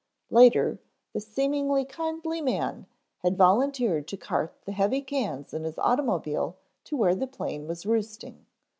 Later, the seemingly kindly man had volunteered to cart the heavy cans in his automobile to where the plane was roosting.